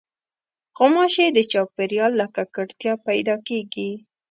غوماشې د چاپېریال له ککړتیا پیدا کېږي.